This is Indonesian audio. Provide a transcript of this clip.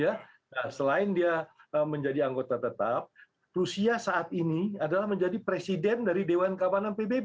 nah selain dia menjadi anggota tetap rusia saat ini adalah menjadi presiden dari dewan keamanan pbb